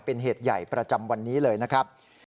เป็นเหตุใหญ่ประจำวันนี้เลยนะครับ